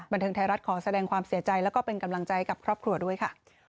บันเทิงไทยรัฐขอแสดงความเสียใจแล้วก็เป็นกำลังใจกับครอบครัวด้วยค่ะ